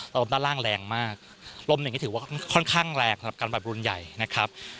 ลมด้านล่างแรงมากลมหนึ่งก็ถือว่าค่อนข้างแรงสำหรับการปรับรุ่นใหญ่นะครับ